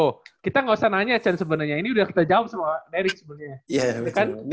tuh kita gak usah nanya chan sebenernya ini udah kita jawab semua dari sebenernya